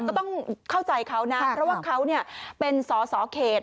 ก็ต้องเข้าใจเขานะเพราะว่าเขาเป็นสอสอเขต